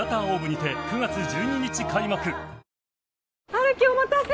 春樹お待たせ。